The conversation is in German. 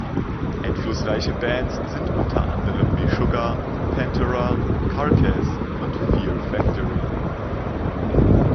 Einflussreiche Bands sind unter anderem Meshuggah, Pantera, Carcass und Fear Factory.